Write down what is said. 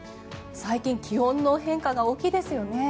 最近、気温の変化が大きいですよね。